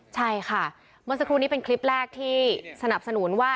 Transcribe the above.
ใช่ค่ะเมื่อสักครู่นี้เป็นคลิปแรกที่สนับสนุนว่า